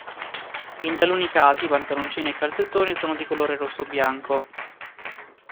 In taluni casi pantaloncini e calzettoni sono di colore rosso o bianco.